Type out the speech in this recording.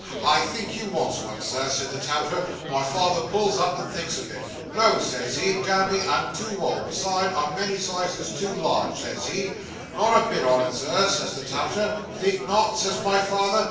"I think you wants one, Sir," says the touter. My father pulls up, and thinks a bit "No," says he, "damme, I'm too old, b'sides, I'm a many sizes too large," says he. "Not a bit on it, Sir," says the touter. "Think not?" says my father.